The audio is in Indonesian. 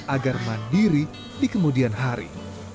agar mandiri di kemudian hari